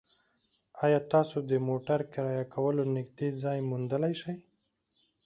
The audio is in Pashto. ایا تاسو د موټر کرایه کولو نږدې ځای موندلی شئ؟